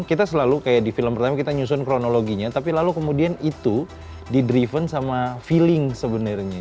kita selalu kayak di film pertama kita nyusun kronologinya tapi lalu kemudian itu di driven sama feeling sebenarnya